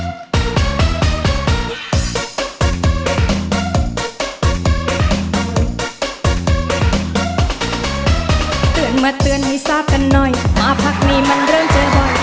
เตือนมาเตือนให้ทราบกันหน่อยมาพักนี้มันเริ่มเจอบ่อย